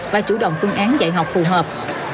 và chủ động phương án dạy học phù hợp